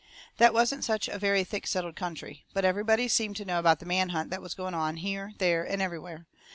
That wasn't such a very thick settled country. But everybody seemed to know about the manhunt that was going on, here, there, and everywhere.